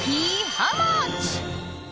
ハウマッチ！